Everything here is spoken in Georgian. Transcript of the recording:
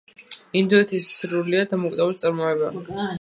ინდოეთის სრულიად დამოუკიდებელი წარმოება.